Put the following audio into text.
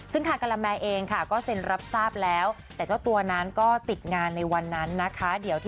ซึ่งทางกะละแมเองค่ะก็เซ็นรับทราบแล้วแต่เจ้าตัวนั้นก็ติดงานในวันนั้นนะคะ